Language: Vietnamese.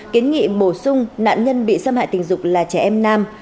kiến nghị bổ sung nạn nhân bị xâm hại tình dục là trẻ em nam